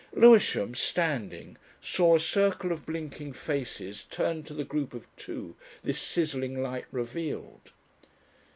Lewisham, standing, saw a circle of blinking faces turned to the group of two this sizzling light revealed.